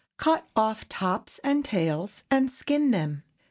Cut off tops and tails, and skin them.